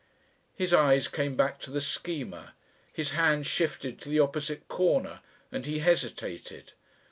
His eyes came back to the Schema. His hands shifted to the opposite corner and he hesitated.